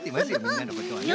みんなのことはね。